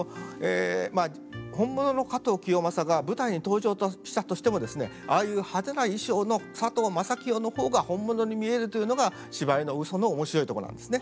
まあ本物の加藤清正が舞台に登場したとしてもですねああいう派手な衣装の佐藤正清の方が本物に見えるというのが芝居の嘘の面白いとこなんですね。